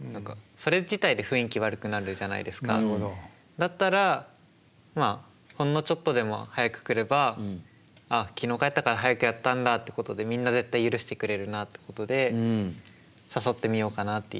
だったらまあほんのちょっとでも早く来れば「あ昨日帰ったから早くやったんだ」ってことでみんな絶対許してくれるなってことで誘ってみようかなっていう。